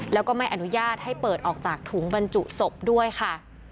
แล้วก็ไม่อนุญาตให้เปิดออกจากถุงบรรจุศพด้วยค่ะ